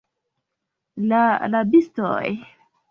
La rabistoj.